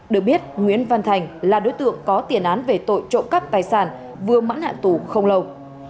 được biết nguyễn văn thành là đối tượng có tiền án về tội trộm cắp tài sản vừa mãn hạn tù không lâu